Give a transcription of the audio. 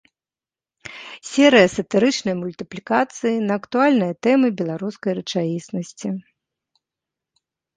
Серыя сатырычнай мультыплікацыі на актуальныя тэмы беларускай рэчаіснасці.